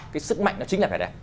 cái sức mạnh nó chính là cái này